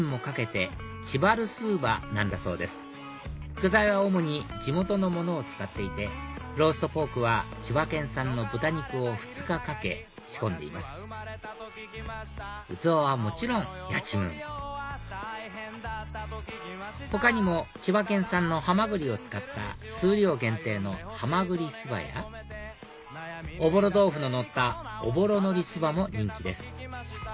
具材は主に地元のものを使っていてローストポークは千葉県産の豚肉を２日かけ仕込んでいます器はもちろんやちむん他にも千葉県産のハマグリを使った数量限定の蛤すばやおぼろ豆腐ののったおぼろ海苔すばも人気です